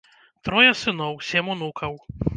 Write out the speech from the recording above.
Трое сыноў, сем унукаў.